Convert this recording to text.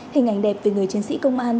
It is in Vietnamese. hình ảnh đẹp về người chiến sĩ công an